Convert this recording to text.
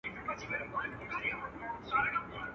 چي په دې ډګرونو کي لکه نڅا